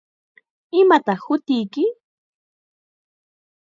¿Imataq hutiyki?